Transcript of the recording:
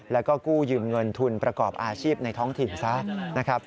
แล้วก็กู้ยืมเงินทุนประกอบอาชีพในท้องถิ่นซะนะครับ